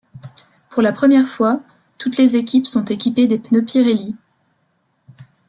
Pour la première fois, toutes les équipes sont équipées des pneus Pirelli.